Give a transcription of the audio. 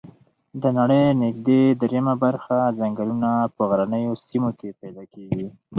د نړۍ نږدي دریمه برخه ځنګلونه په غرنیو سیمو کې پیدا کیږي